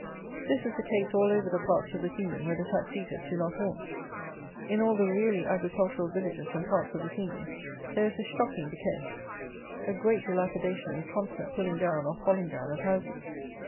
This is the case all over the parts of the kingdom where the tax eaters do not haunt. In all the really agricultural villages and parts of the kingdom, there is a shocking decay; a great dilapidation and constant pulling down or falling down of houses.